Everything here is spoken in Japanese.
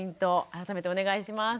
改めてお願いします。